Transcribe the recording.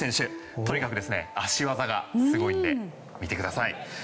とにかく足技がすごいので見てください。